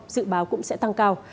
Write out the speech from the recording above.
sự báo cũng sẽ tăng cao